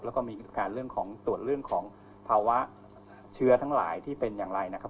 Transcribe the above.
แล้วก็มีการเรื่องของตรวจเรื่องของภาวะเชื้อทั้งหลายที่เป็นอย่างไรนะครับ